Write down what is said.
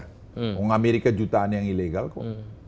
ngomong amerika jutaan yang ilegal kok